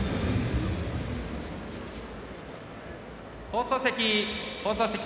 放送席、放送席。